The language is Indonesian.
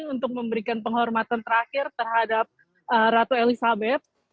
untuk memberikan penghormatan terakhir terhadap ratu elizabeth